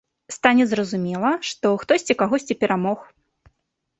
Стане зразумела, што хтосьці кагосьці перамог.